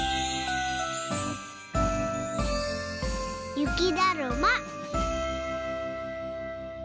ゆきだるま。